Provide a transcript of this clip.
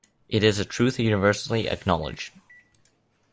It is a truth universally acknowledged.